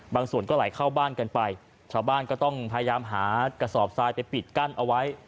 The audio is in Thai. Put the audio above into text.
ส่วนก็ไหลเข้าบ้านกันไปชาวบ้านก็ต้องพยายามหากระสอบทรายไปปิดกั้นเอาไว้